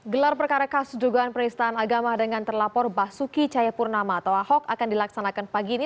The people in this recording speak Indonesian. gelar perkara kasus dugaan peristahan agama dengan terlapor basuki cayapurnama atau ahok akan dilaksanakan pagi ini